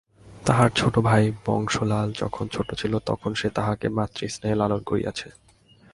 তাহার ছোটো ভাই বংশীলাল যখন ছোটো ছিল তখন সে তাহাকে মাতৃস্নেহে লালন করিয়াছে।